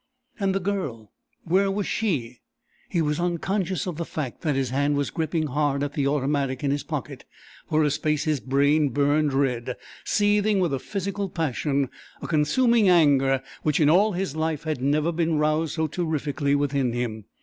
And the Girl! Where was she? He was unconscious of the fact that his hand was gripping hard at the automatic in his pocket. For a space his brain burned red, seething with a physical passion, a consuming anger which, in all his life, had never been roused so terrifically within him.